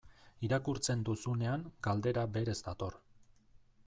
Irakurtzen duzunean, galdera berez dator.